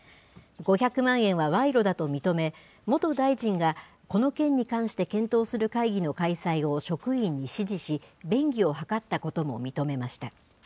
５００万円は賄賂だと認め、元大臣がこの件に関して検討する会議の開催を職員に指示し、便宜を図ったことも認めました。